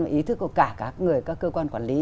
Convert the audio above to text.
ý thức của cả các người các cơ quan quản lý